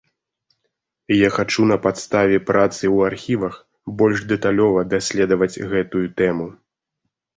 Я хачу на падставе працы ў архівах больш дэталёва даследаваць гэтую тэму.